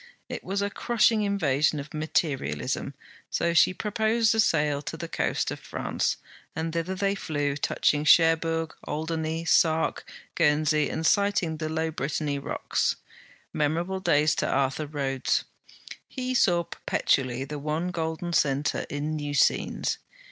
It was a crushing invasion of materialism, so she proposed a sail to the coast of France, and thither they flew, touching Cherbourg, Alderney, Sark, Guernsey, and sighting the low Brittany rocks. Memorable days to Arthur Rhodes. He saw perpetually the one golden centre in new scenes.